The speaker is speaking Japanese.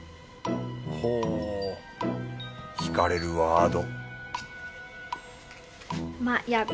ほう惹かれるワード